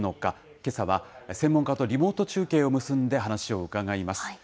けさは専門家とリモート中継を結んで話を伺います。